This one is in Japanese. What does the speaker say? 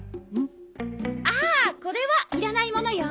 ああこれはいらないものよ。